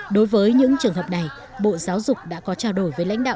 đối với những trường hợp này bộ giáo dục đã có trao đổi với lãnh đạo